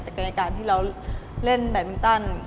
แต่กันอย่างการที่เราเล่นแบบมิ้นตัน